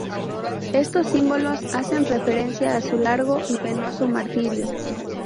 Estos símbolos hacen referencia a su largo y penoso martirio.